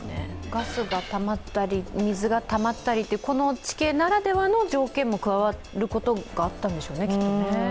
ガスがたまったり、水がたまったりという、この地形ならではの条件も加わることがあったんでしょうね。